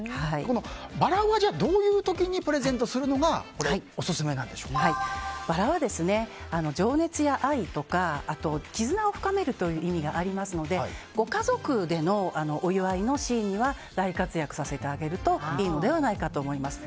バラはどういう時にプレゼントするのがバラは、情熱や愛とか絆を深めるという意味がありますのでご家族でのお祝いのシーンには大活躍させてあげるといいのではないかと思います。